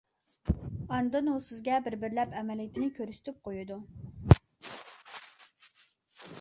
ئاندىن ئۇ سىزگە بىر-بىرلەپ ئەمەلىيىتىنى كۆرسىتىپ قويىدۇ.